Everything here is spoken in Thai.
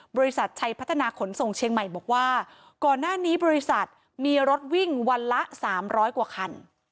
บริษัทชัยพัฒนาขนส่งเชียงใหม่บอกว่าก่อนหน้านี้บริษัทมีรถวิ่งวันละ๓๐๐กว่าคัน